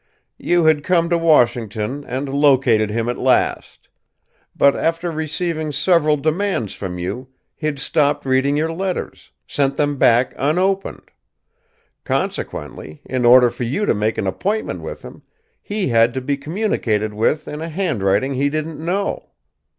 "You had come to Washington and located him at last. But, after receiving several demands from you, he'd stopped reading your letters sent them back unopened. Consequently, in order for you to make an appointment with him, he had to be communicated with in a handwriting he didn't know.